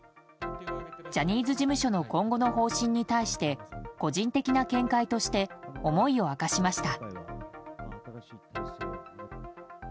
ジャニーズ事務所の今後の方針に対して個人的な見解として思いを明かしました。